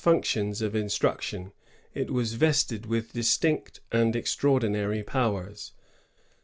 221 its fanctions of iiiBtructioii, it was vested with dis tinct and extraordinary powers.